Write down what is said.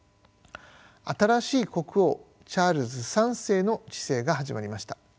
新しい国王チャールズ３世の治世が始まりました。